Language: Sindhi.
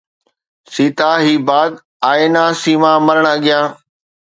سيتا هي بات آينا سيما مرڻ اڳيان